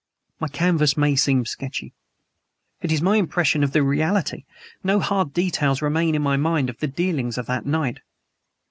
My canvas may seem sketchy: it is my impression of the reality. No hard details remain in my mind of the dealings of that night.